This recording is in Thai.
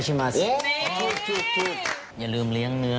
ขอบคุณครับ